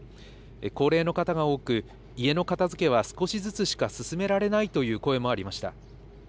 高齢の方が多く、家の片づけは少しずつしか進められないという声もありました。